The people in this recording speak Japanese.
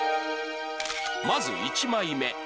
まず１枚目